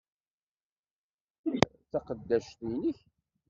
Ɛni nekk d taqeddact-nnek?